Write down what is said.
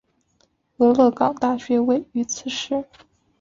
俄勒冈大学位于此市。